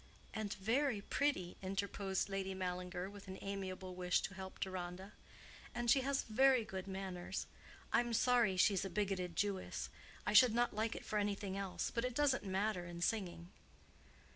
"And very pretty," interposed Lady Mallinger, with an amiable wish to help Deronda. "And she has very good manners. I'm sorry she's a bigoted Jewess; I should not like it for anything else, but it doesn't matter in singing."